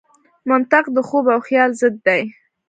منطق د خوب او خیال ضد دی.